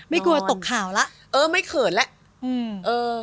ไม่เกลอกล่อกล่าว